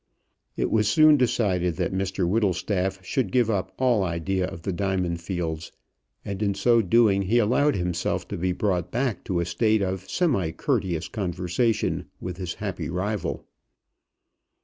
It was soon decided that Mr Whittlestaff should give up all idea of the diamond fields, and in so doing he allowed himself to be brought back to a state of semi courteous conversation with his happy rival.